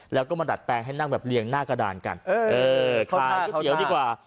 แล้วก็มาดัดแปลงให้นั่งแบบเรียงหน้ากระดานกันเออขายก๋วยเตี๋ยวดีกว่า